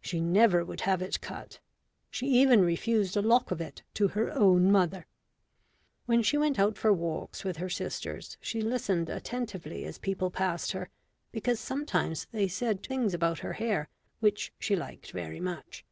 She never would have it cut. She even refused a lock of it to her own mother. When she went out for walks with her sisters she listened attentively as people passed her, because sometimes they said things about her hair which she liked very much.